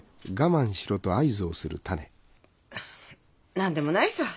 何でもないさ。